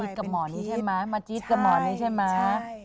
มาจี๊ดกับหมอนนี้ใช่ไหมมาจี๊ดกับหมอนนี้ใช่ไหมใช่